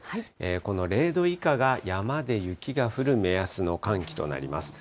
この０度以下で山で雪が降る目安の寒気となります。